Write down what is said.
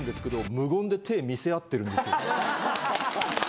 無言で。